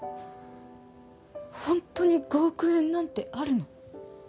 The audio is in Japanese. ホントに５億円なんてあるの？